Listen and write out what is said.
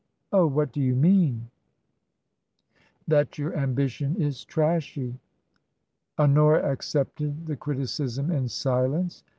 " Oh, what do you mean ?"" That your ambition is trashy." Honora accepted the criticism in silence.